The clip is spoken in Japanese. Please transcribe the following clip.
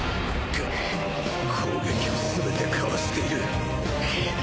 ぐっ攻撃を全てかわしている！叩。